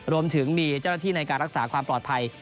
รวมถึงมีเจ้าหน้าที่ในการรักษาความปลอดภัย